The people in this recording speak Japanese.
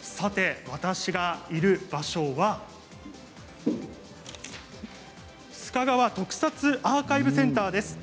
さて、私がいる場所は須賀川特撮アーカイブセンターです。